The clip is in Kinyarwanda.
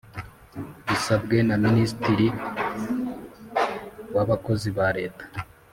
Bisabwe na Minisitiri w Abakozi ba Leta